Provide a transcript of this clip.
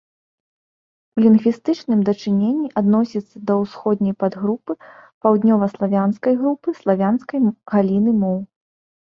У лінгвістычным дачыненні адносіцца да ўсходняй падгрупы паўднёваславянскай групы славянскай галіны моў.